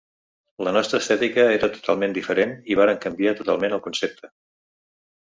La nostra estètica era totalment diferent i vàrem canviar totalment el concepte.